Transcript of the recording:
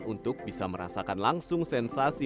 untuk bisa merasakan langsung sensasi